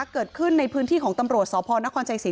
เกิดขึ้นในพื้นที่ของตำรวจสพนครชัยศรี